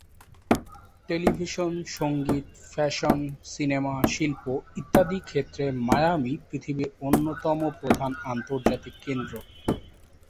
Television, সঙ্গীত, fashion, cinema, শিল্প ইত্যাদি ক্ষেত্রে মায়ামি পৃথিবীর অন্যতম প্রধান আন্তর্জাতিক কেন্দ্র।